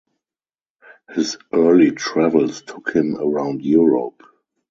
His early travels took him around Europe.